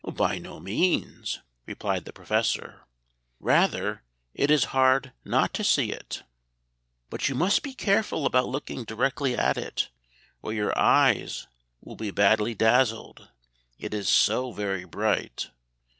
"By no means," replied the Professor; "rather it is hard not to see it. But you must be careful about looking directly at it, or your eyes will be badly dazzled, it is so very bright.